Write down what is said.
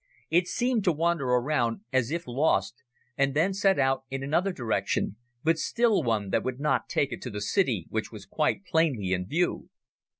It seemed to wander around as if lost, and then set out in another direction, but still one that would not take it to the city which was quite plainly in view.